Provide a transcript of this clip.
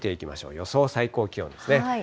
予想最高気温ですね。